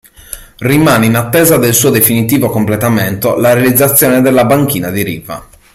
Rimane in attesa del suo definitivo completamento la realizzazione della banchina di riva.